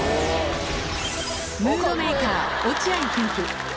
ムードメーカー、落合夫婦。